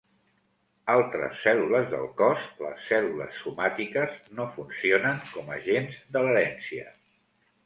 Altres cèl·lules del cos, les cèl·lules somàtiques, no funcionen com agents de l'herència.